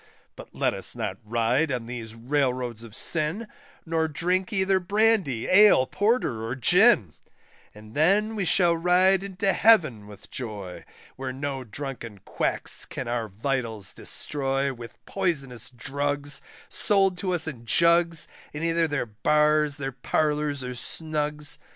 But let us not ride on these Railroads of sin, Nor drink either Brandy, Ale, Porter, or Gin; And then we shall ride into Heaven with joy, Where no drunken quacks can our vitals destroy With poisonous drugs, sold to us in jugs, In either their Bars, their Parlours, or Snugs.